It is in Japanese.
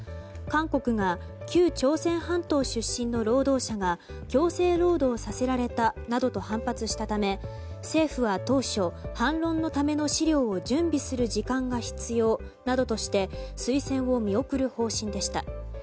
韓国が旧朝鮮半島出身の労働者が強制労働させられたなどと反発したため政府は当初、反論のための資料を準備する時間が必要などとして推薦を見送る方針でした。